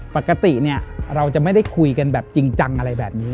ปกติเนี่ยเราจะไม่ได้คุยกันแบบจริงจังอะไรแบบนี้